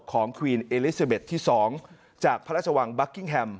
ควีนเอลิซาเบสที่๒จากพระราชวังบัคกิ้งแฮม